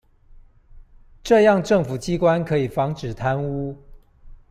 這樣政府機關可以防止貪污